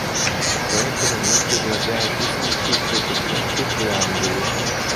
Поэтому мы предлагаем исключить эти пункты преамбулы.